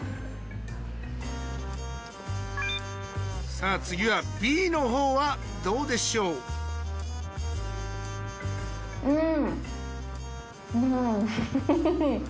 さあ次はＢのほうはどうでしょうん。